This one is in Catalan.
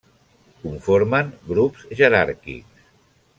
Conformen grups jeràrquics.